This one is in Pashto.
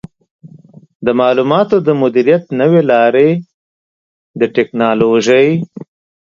د معلوماتو د مدیریت نوې لارې د ټکنالوژۍ